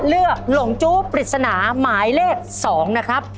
หลงจู้ปริศนาหมายเลข๒นะครับ